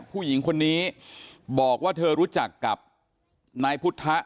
ผู้หญิงคนนี้บอกว่าเธอรู้จักกับนายพุทธะ